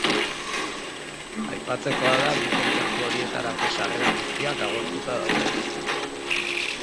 Aipatzekoa da bi kontzertu horietarako sarrera guztiak agortuta daudela.